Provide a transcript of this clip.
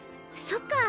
そっか